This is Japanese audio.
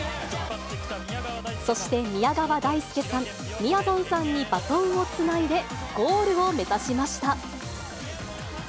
そして宮川大輔さん、みやぞんさんにバトンをつないで、ゴールを目指しました。